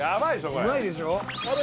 これうまいでしょ